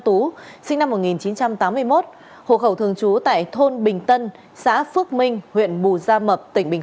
tú sinh năm một nghìn chín trăm tám mươi một hộ khẩu thường trú tại thôn bình tân xã phước minh huyện bù gia mập tỉnh bình